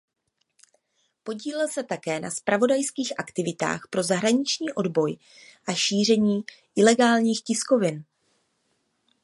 Podílel se také na zpravodajských aktivitách pro zahraniční odboj a šíření ilegálních tiskovin.